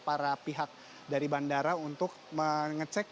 para pihak dari bandara untuk mengecek